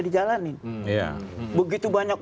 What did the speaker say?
dijalanin begitu banyak